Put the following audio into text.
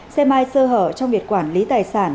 xe mai sơ hở trong việc quản lý tài sản